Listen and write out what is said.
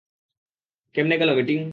কেমন গেল মিটিং?